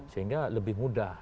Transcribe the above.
sehingga lebih mudah